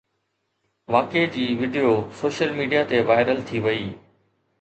واقعي جي video social media تي وائرل ٿي وئي